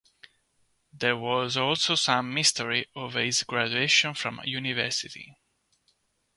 There was also some mystery over his graduation from university.